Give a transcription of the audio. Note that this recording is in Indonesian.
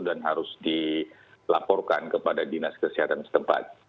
dan harus dilaporkan kepada dinas kesehatan setempat